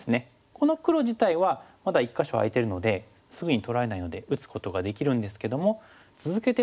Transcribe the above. この黒自体はまだ１か所空いてるのですぐに取られないので打つことができるんですけども続けて例えばここに黒から